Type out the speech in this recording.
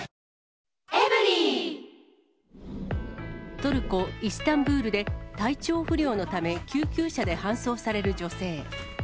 トルコ・イスタンブールで、体調不良のため救急車で搬送される女性。